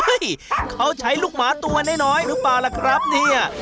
เขาใช้ลูกหมาตัวน้อยหรือเปล่าล่ะครับเนี่ย